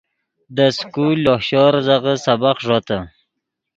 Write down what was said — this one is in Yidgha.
دے سکول لوہ شور ریزغے سبق ݱوتے